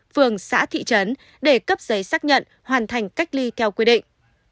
phường xã thị trấn để cấp giấy xác nhận hoàn thành cách ly theo quy định